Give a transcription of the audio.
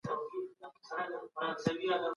د بې نورمۍ پايلې درنې وي.